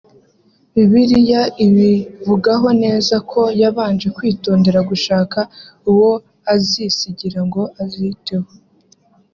bibiliya ibivugaho neza ko yabanje kwitondera gushaka uwo azisigira ngo aziteho